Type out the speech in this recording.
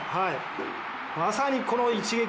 まさにこの一撃。